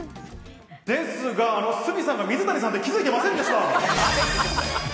ですが、鷲見さんが水谷さんって気付いてませんでした。